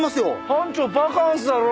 班長バカンスだろ！？